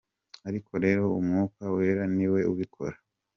ariko rero Umwuka wera ni we ubikora.